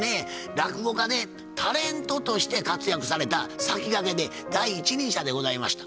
落語家でタレントとして活躍された先駆けで第一人者でございました。